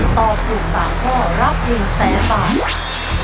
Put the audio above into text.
ตอบถูก๓ข้อรับ๑๐๐๐๐บาท